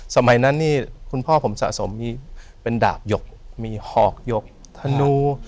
สมัยนั้นนี่คุณพ่อผมสะสมมีเป็นดาบหยกมีหอกหยกธนู